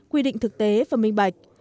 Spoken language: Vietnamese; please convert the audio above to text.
quy định thực tế và minh bạch